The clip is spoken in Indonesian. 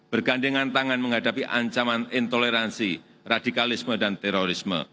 bergandengan tangan menghadapi ancaman intoleransi radikalisme dan terorisme